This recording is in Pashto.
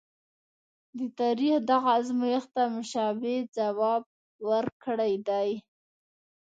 د تاریخ دغه ازمایښت ته مشابه ځواب ورکړی دی.